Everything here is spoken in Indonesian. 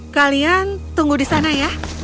kalian tunggu di sana ya